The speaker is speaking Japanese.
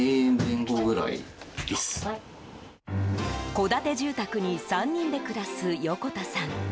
戸建て住宅に３人で暮らす横田さん。